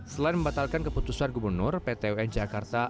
selain membatalkan keputusan gubernur pt un jakarta